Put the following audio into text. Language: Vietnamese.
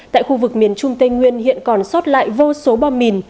tại khu vực miền trung tây nguyên hiện còn sót lại vô số bom mìn